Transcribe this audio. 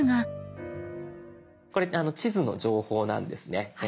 これ地図の情報なんですね。